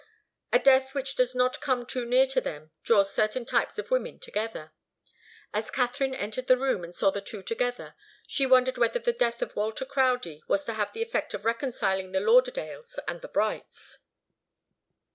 A death which does not come too near to them draws certain types of women together. As Katharine entered the room and saw the two together, she wondered whether the death of Walter Crowdie was to have the effect of reconciling the Lauderdales and the Brights.